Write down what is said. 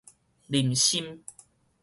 林森